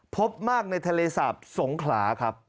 พบมากในทะเลสาบสงขลาครับ